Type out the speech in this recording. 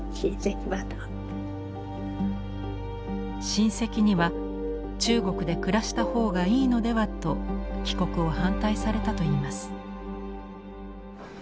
親戚には中国で暮らした方がいいのではと帰国を反対されたといいます。